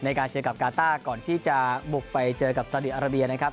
ในการเจอกับกาต้าก่อนที่จะบุกไปเจอกับซาดีอาราเบียนะครับ